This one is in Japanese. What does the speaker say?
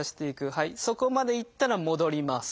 そこまで行ったら戻ります。